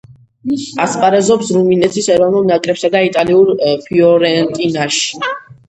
ასპარეზობს რუმინეთის ეროვნულ ნაკრებსა და იტალიურ „ფიორენტინაში“.